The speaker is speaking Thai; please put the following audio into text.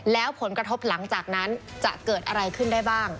แล้วผลกระทบหลังจากนั้นจะเกิดอะไรขึ้นได้บ้าง